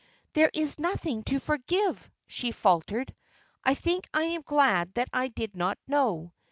"There is nothing to forgive," she faltered. "I think I am glad that I did not know.